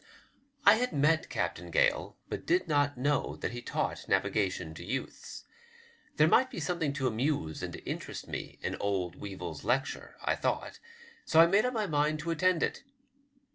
I had met Captain Gale, but did not know that he taught navigation to youths. There might be something to amuse and to interest me in old Weevil's lecture, I thought, so I made up my mind to attend it.